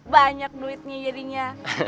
banyak duitnya jadinya